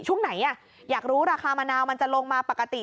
ช่วงไหนอยากรู้ราคามะนาวมันจะลงมาปกติ